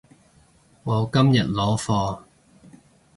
我今日攞貨